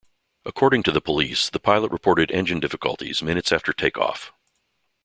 According to the police, the pilot reported engine difficulties minutes after takeoff.